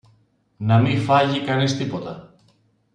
να μη φάγει κανείς τίποτα!